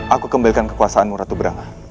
aku kembalikan kekuasaanmu ratu brangga